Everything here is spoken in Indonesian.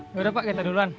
yaudah pak kita duluan